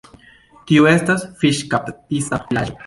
Tiu estas fiŝkaptista vilaĝo.